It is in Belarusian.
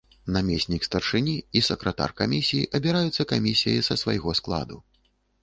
Намеснік старшыні і сакратар камісіі абіраюцца камісіяй са свайго складу.